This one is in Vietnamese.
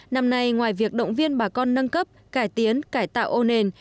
năm nay ngoài việc động viên bà con nâng cấp cải tiến cải tạo ô nền